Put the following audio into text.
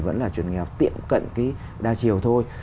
vẫn là chuẩn nghèo tiện cận đa chiều thôi